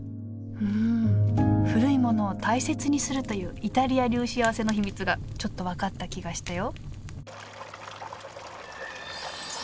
うん古いものを大切にするというイタリア流しあわせの秘密がちょっと分かった気がしたよ